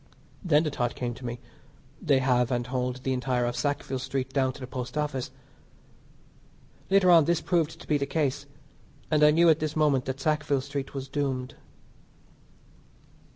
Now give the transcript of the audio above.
Then the thought came to me they have and hold the entire of Sackville Street down to the Post Office. Later on this proved to be the case, and I knew at this moment that Sackville Street was doomed.